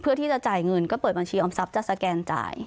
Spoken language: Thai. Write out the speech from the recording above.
เพื่อที่จะจ่ายเงินก็เปิดบัญชีออมทรัพย์จะสแกนจ่าย